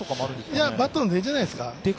いや、バットの出じゃないですか。